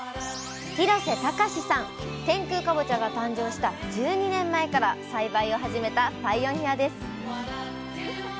天空かぼちゃが誕生した１２年前から栽培を始めたパイオニアです。